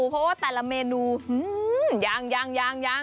เพราะว่าแต่ละเมนูยังยัง